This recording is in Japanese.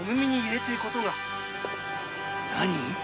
何？